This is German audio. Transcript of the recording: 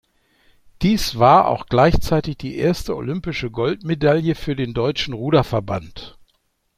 Dies war auch gleichzeitig die erste olympische Goldmedaille für den deutschen Ruderverband.